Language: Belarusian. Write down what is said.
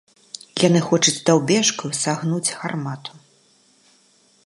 Яны хочуць даўбешкаю сагнуць гармату.